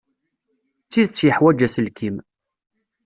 D tidet yeḥwaj aselkim.